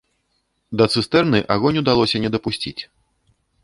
Да цыстэрны агонь удалося не дапусціць.